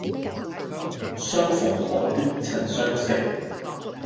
相逢何必曾相識